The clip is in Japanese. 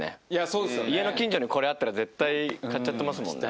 そうですよね家の近所にこれあったら絶対買っちゃってますもんね